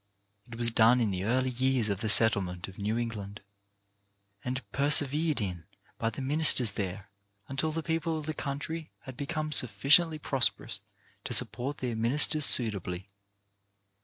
It was done in the early years of the settlement of New England, and persevered in by the ministers there until the people of the country had become sufficiently prosperous to support their ministers suitably.